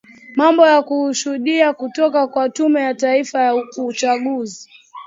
mambo ya kuhushudia kutoka kwa tume ya taifa ya uchaguzi